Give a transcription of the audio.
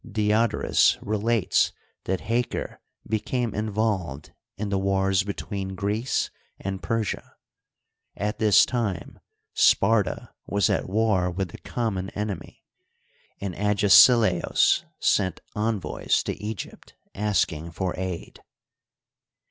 Diodorus relates that Hsucer became in volved in the wars between Greece and Persia. At this time Sparta was at war with the common enemy, and Agesilaos sent envoys to Egypt asking for aid.